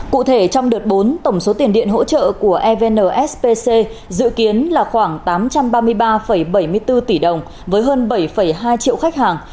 cụ thể trong đợt bốn tổng số tiền điện hỗ trợ của evnspc dự kiến là khoảng tám trăm ba mươi ba bảy mươi bốn tỷ đồng với hơn bảy hai triệu khách hàng